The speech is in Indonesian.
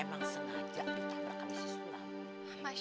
emang sengaja ditabrak sama si sulam